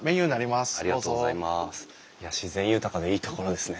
いや自然豊かでいい所ですね。